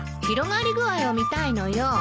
広がり具合を見たいのよ。